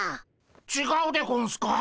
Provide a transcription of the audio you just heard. ちがうでゴンスか。